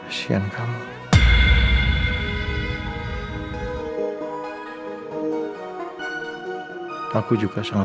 nanti kita pindah danfeat